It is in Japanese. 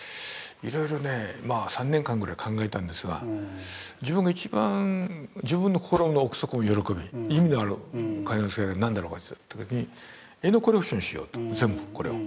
いろいろ３年間ぐらい考えたんですが自分が一番自分の心の奥底の喜び意味のあるお金の使い方は何だろうかといった時に絵のコレクションをしようと全部これを。